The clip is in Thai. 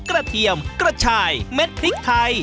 เทียมกระชายเม็ดพริกไทย